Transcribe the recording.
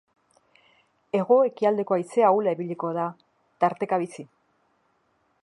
Hego-ekialdeko haize ahula ibiliko da, tarteka bizi.